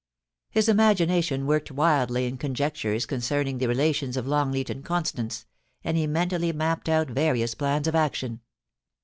His imagination worked wildly in conjectures concerning the relations of Longleat and Constance, and he mentally mapped out various plans of action.